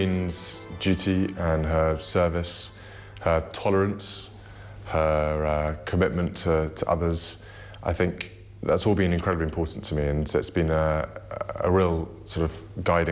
และเป็นทางที่สามารถที่สุด